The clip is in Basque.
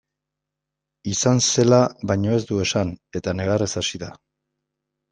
Izan zela baino ez du esan eta negarrez hasi da.